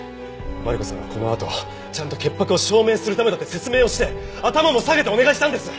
マリコさんはこのあとちゃんと潔白を証明するためだって説明をして頭も下げてお願いしたんです！